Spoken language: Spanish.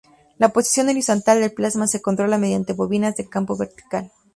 La posición horizontal del plasma se controla mediante bobinas de campo vertical.